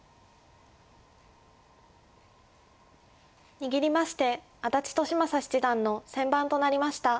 握りまして安達利昌七段の先番となりました。